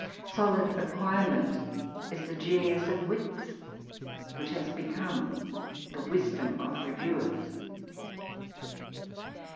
••Solid acquirement" is the genius of wits, which has become the wisdom of reviewers.